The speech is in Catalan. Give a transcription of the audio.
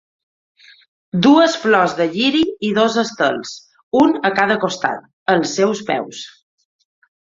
Dues flors de lliri i dos estels, un a cada costat, als seus peus.